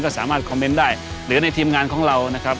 ก็สามารถได้หรือในทีมงานของเรานะครับ